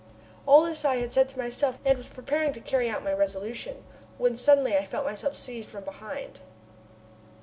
All this I had said to myself, and was preparing to carry out my resolution, when I suddenly felt myself seized from behind.